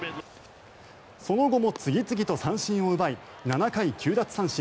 その後も次々と三振を奪い７回９奪三振